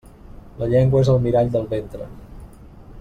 La llengua és el mirall del ventre.